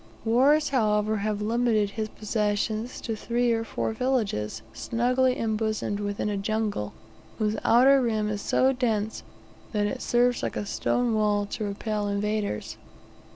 Wars, however, have limited his possessions to three or four villages snugly embosomed within a jungle, whose outer rim is so dense that it serves like a stone wall to repel invaders.